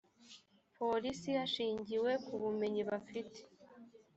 polisi hashingiwe ku bumenyi bafite